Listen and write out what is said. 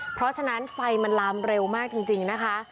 เพราะฉะนั้นไฟมันลามเร็วมากจริงนะคะ